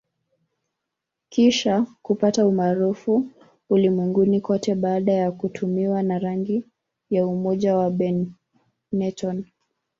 Kisha kupata umaarufu ulimwenguni kote baada ya kutumiwa na rangi ya umoja wa Benetton